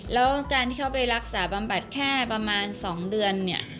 แล้วการที่เขาไปรักษาบำบัดแค่ประมาณ๒เดือนเนี่ย